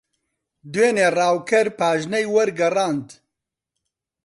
دوێنێ ڕاوکەر پاژنەی وەرگەڕاند.